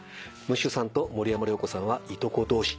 ムッシュさんと森山良子さんはいとこ同士。